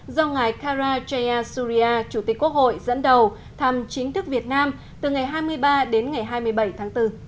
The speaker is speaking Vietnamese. do ngài karajaya surya chủ tịch quốc hội dẫn đầu thăm chính thức việt nam từ ngày hai mươi ba đến ngày hai mươi bảy tháng bốn